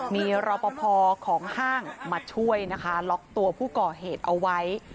มีรอปภของห้างมาช่วยนะคะล็อกตัวผู้ก่อเหตุเอาไว้